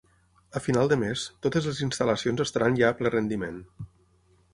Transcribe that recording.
A final de mes, totes les instal·lacions estaran ja a ple rendiment.